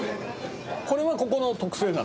これはここの特製なの？